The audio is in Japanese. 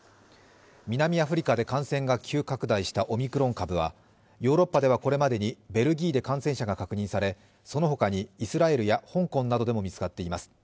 南アフリカで感染が急拡大したオミクロン株はヨーロッパではこれまでにベルギーで感染者が確認されその他にイスラエルや香港などでも見つかっています。